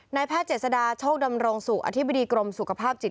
แพทย์เจษฎาโชคดำรงสุอธิบดีกรมสุขภาพจิต